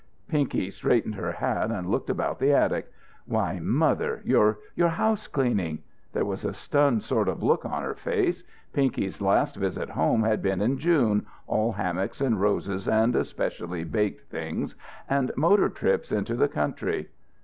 Pinky straightened her hat and looked about the attic. "Why, mother! You're you're house cleaning!" There was a stunned sort of look on her face. Pinky's last visit home had been in June, all hammocks, and roses, and especially baked things, and motor trips into the country.